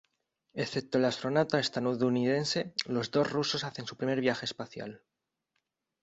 Excepto el astronauta estadounidense, los dos rusos hacen su primer viaje espacial.